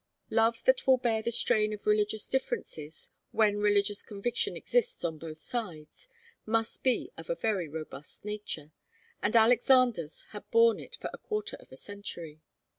Love that will bear the strain of religious differences, when religious conviction exists on both sides, must be of a very robust nature, and Alexander's had borne it for a quarter of a century.